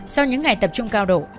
sau những ngày tập trung cao độ